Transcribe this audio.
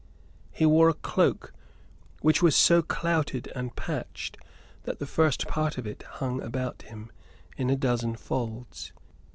He wore a cloak which was so clouted and patched that the first part of it hung about him in a dozen folds.